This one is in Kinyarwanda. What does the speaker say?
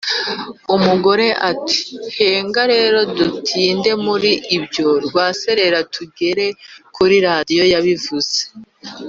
Umugore ati Henga rero dutinde muri iyo rwaserera tugere kuri Radiyo yabivuze